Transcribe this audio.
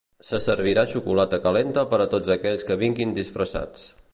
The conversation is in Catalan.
Se servirà xocolata calenta per a tots aquells que vinguin disfressats.